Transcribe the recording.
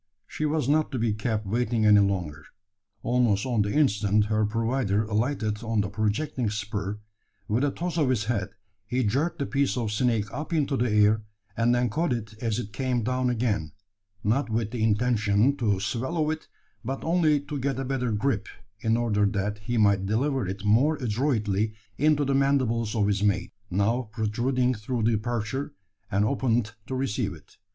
She was not to be kept waiting any longer. Almost on the instant her provider alighted on the projecting spur, with a toss of his head he jerked the piece of snake up into the air, and then caught it as it came down again not with the intention to swallow it, but only to get a better grip, in order that he might deliver it the more adroitly into the mandibles of his mate now protruding through the aperture, and opened to receive it.